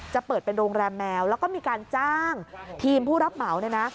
จะเปิดเป็นโรงแรมแมวแล้วก็มีการจ้างทีมผู้รับเหมาเนี่ยนะ